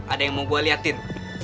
ada yang mau gue liatin